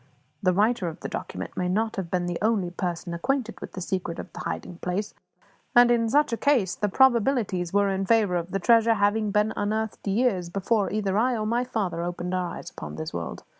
The writer of the document may not have been the only person acquainted with the secret of the hiding place; and, in such a case, the probabilities were in favour of the treasure having been unearthed years before either I or my father opened our eyes upon this world.